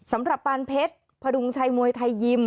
สำหรับปานเพชรพระดุงชัยมวยไทยยิม